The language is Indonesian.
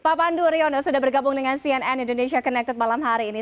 pak pandu riono sudah bergabung dengan cnn indonesia connected malam hari ini